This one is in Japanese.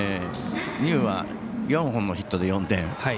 丹生は４本のヒットで４点。